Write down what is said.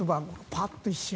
パッと、一瞬。